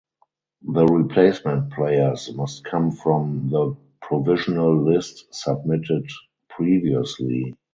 The replacement players must come from the provisional list submitted previously.